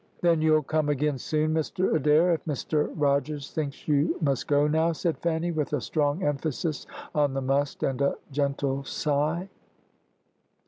"Then you'll come again soon, Mr Adair, if Mr Rogers thinks you must go now," said Fanny, with a strong emphasis on the must, and a gentle sigh.